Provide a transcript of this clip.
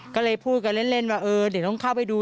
ก็เลยพูดกันเล่นว่าเออเดี๋ยวต้องเข้าไปดู